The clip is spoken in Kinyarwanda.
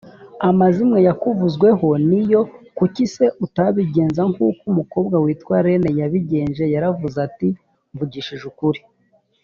amazimwe yakuvuzweho ni yo kuki se utabigenza nk’uko umukobwa witwa renee yabigenje yaravuze ati mvugishije ukuri